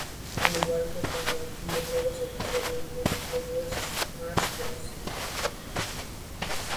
Al igual que con los videojuegos oficiales de "Super Smash Bros.